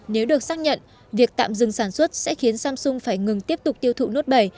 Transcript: nếu được xác nhận việc tạm dừng sản xuất sẽ khiến samsung phải ngừng tiếp tục tiêu thụ nốt bảy